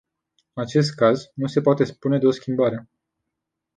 În acest caz, nu se poate spune de o schimbare.